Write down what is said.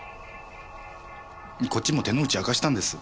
こっちも手の内明かしたんです。